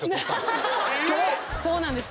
そうなんです。